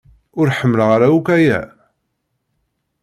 Ur ḥemmleɣ ara akk aya.